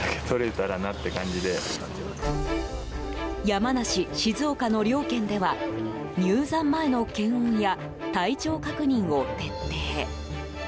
山梨、静岡の両県では入山前の検温や体調確認を徹底。